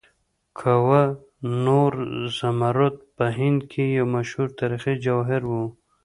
کوه نور زمرد په هند کې یو مشهور تاریخي جواهر و.